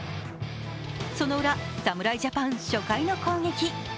そのウラ、侍ジャパン、初回の攻撃。